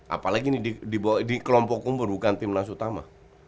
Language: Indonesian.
apalagi di kelompok umur bukan tim nasi utama